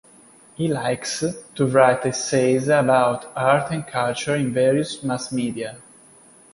He likes to write essays about art and culture in various mass media.